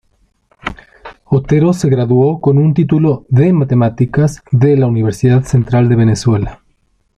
Otero se graduó con un título Matemáticas de la Universidad Central de Venezuela.